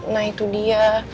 nah itu dia